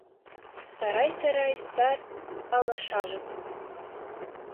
Сарай-сарай сар алашажым